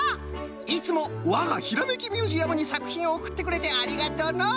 いつもわがひらめきミュージアムにさくひんをおくってくれてありがとの！